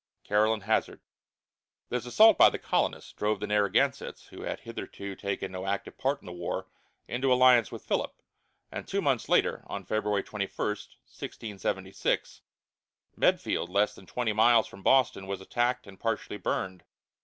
CAROLINE HAZARD. This assault by the colonists drove the Narragansetts, who had hitherto taken no active part in the war, into alliance with Philip, and two months later, on February 21, 1676, Medfield, less than twenty miles from Boston, was attacked and partially burned.